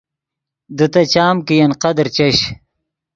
دے تے چام کہ ین قدر چش